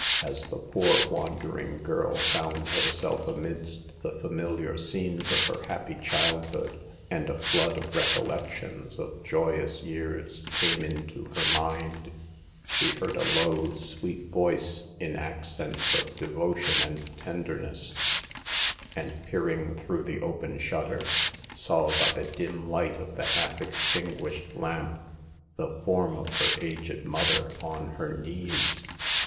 As the poor, wandering girl found herself amidst the familiar scenes of her happy childhood, and a flood of recollections of joyous years came into her mind, she heard a low, sweet voice in accents of devotion and tenderness, and peering through the open shutter, saw by the dim light of the half extinguished lamp, the form of her aged mother on her knees.